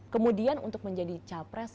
kemudian untuk menjadi capres